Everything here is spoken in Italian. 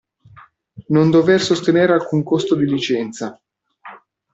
Non dover sostenere alcun costo di licenza.